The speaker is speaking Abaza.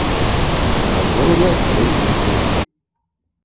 Агвырла къви йжитӏ.